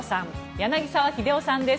柳澤秀夫さんです